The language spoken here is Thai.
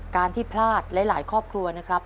การที่พลาดหลายครอบครัวนะครับ